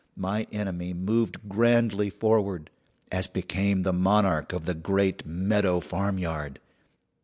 My enemy moved grandly forward, as became the monarch of the great meadow farmyard.